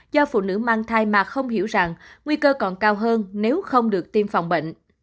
do phụ nữ mang thai mà không hiểu rằng nguy cơ còn cao hơn nếu không được tiêm phòng bệnh